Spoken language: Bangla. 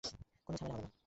কোনো ঝামেলা হবে না।